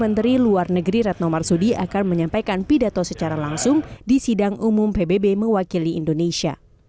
menteri luar negeri retno marsudi akan menyampaikan pidato secara langsung di sidang umum pbb mewakili indonesia